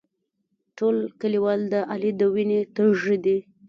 ټول کلیوال د علي د وینې تږي دي.